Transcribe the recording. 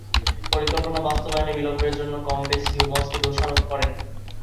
পরিকল্পনা বাস্তবায়নে বিলম্বের জন্য কম্বেস হিউমসকে দোষারোপ করেন।